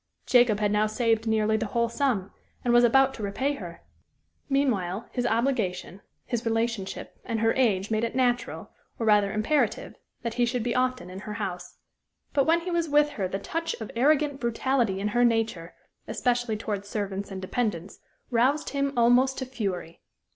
Jacob had now saved nearly the whole sum, and was about to repay her. Meanwhile his obligation, his relationship, and her age made it natural, or rather imperative, that he should be often in her house; but when he was with her the touch of arrogant brutality in her nature, especially towards servants and dependants, roused him almost to fury.